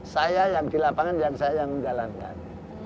saya yang di lapangan yang saya yang menjalankan